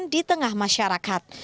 di tengah masyarakat